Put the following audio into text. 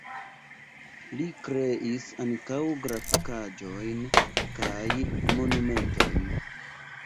Li kreis ankaŭ grafikaĵojn kaj monumentojn.